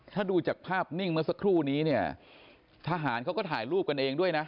ถ้าดูจากภาพนิ่งเมื่อสักครู่นี้เนี่ยทหารเขาก็ถ่ายรูปกันเองด้วยนะ